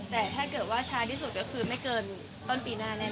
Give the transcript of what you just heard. แต่ถ้าเกิดว่าช้าที่สุดก็คือไม่เกินต้นปีหน้าแน่